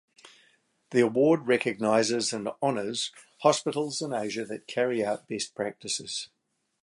The award recognises and honours hospitals in Asia that carry out best practices.